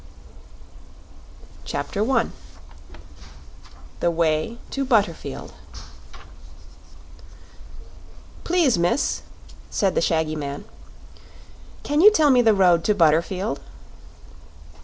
The Way to Butterfield "Please, miss," said the shaggy man, "can you tell me the road to Butterfield?"